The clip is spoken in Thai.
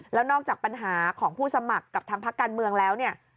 แล้วนอกจากปัญหาของผู้สมัครกับทางพักการเมืองแล้วเนี่ย